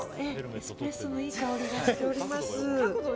エスプレッソのいい香りがしております。